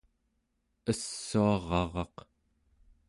essuararaq